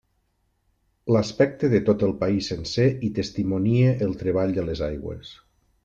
L'aspecte de tot el país sencer hi testimonia el treball de les aigües.